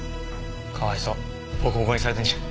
かわいそうボコボコにされてるじゃん。